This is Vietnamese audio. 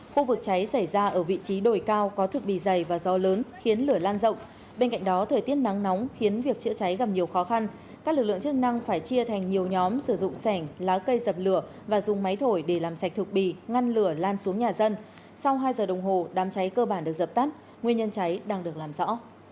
khu vực cháy xảy ra ở vị trí đồi cao có thực bì dày và gió lớn khiến lửa lan rộng bên cạnh đó thời tiết nắng nóng khiến việc chữa cháy gặp nhiều khó khăn các lực lượng chức năng phải chia thành nhiều nhóm sử dụng sẻng lá cây dập lửa và dùng máy thổi để làm sạch thực bì ngăn lửa lan xuống nhà dân sau hai giờ đồng hồ đám cháy cơ bản được dập tắt nguyên nhân cháy đang được làm rõ